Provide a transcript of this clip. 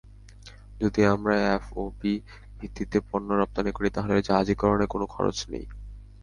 যদি আমরা এফওবি ভিত্তিতে পণ্য রপ্তানি করি, তাহলে জাহাজীকরণে কোনো খরচ নেই।